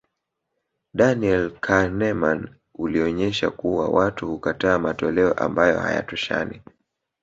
Daniel Kahneman ulionyesha kuwa watu hukataa matoleo ambayo hayatoshani